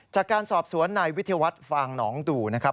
จากการสอบสวนนายวิทยาวัฒน์ฟางหนองดูนะครับ